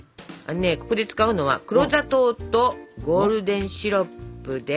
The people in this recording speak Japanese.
ここで使うのは黒砂糖とゴールデンシロップです。